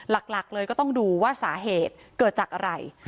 หลักเลยก็ต้องดูว่าสาเหตุเกิดจากอะไร